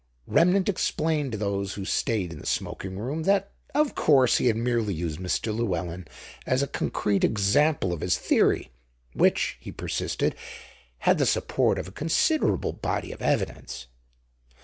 Remnant explained to those who stayed in the smoking room that, of course, he had merely used Mr. Llewelyn as a concrete example of his theory, which, he persisted, had the support of a considerable body of evidence.